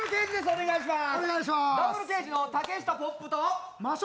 お願いします。